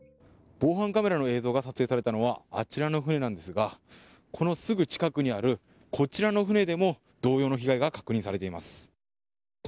防犯カメラの映像が撮影されたのはあちらの船なんですがこのすぐ近くにあるこちらの船でも同様の被害が確認されています。